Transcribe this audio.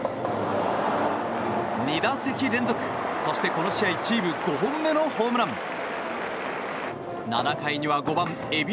２打席連続そして、この試合チーム５本のホームラン。